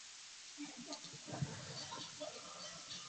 起初美希及沙夫师傅早就挑选了阿兰及阿烈作为其中两名战士。